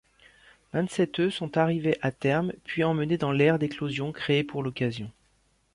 Vingt-sept œufs sont arrivés à terme puis emmenés dans l'aire d'éclosion créée pour l'occasion.